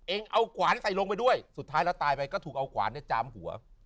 เองเอาขวานใส่ลงไปด้วยสุดท้ายแล้วตายไปก็ถูกเอาขวานจามหัว